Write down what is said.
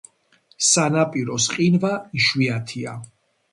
სანაპიროს ყინვა იშვიათია.